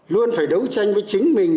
luôn phải đấu tranh với chính mình